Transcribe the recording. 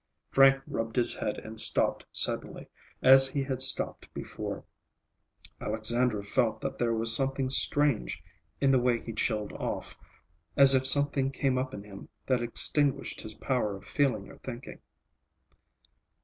Frank rubbed his head and stopped suddenly, as he had stopped before. Alexandra felt that there was something strange in the way he chilled off, as if something came up in him that extinguished his power of feeling or thinking.